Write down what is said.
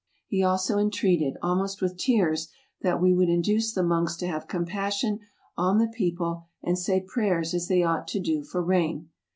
He also entreated, almost with tears, that we would induce the monks to have compassion on the people, and say prayers as they ought to do for rain.